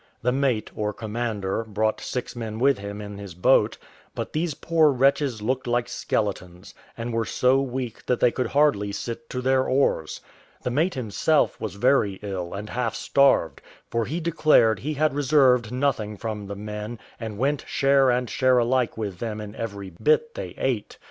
The mate, or commander, brought six men with him in his boat; but these poor wretches looked like skeletons, and were so weak that they could hardly sit to their oars. The mate himself was very ill, and half starved; for he declared he had reserved nothing from the men, and went share and share alike with them in every bit they ate.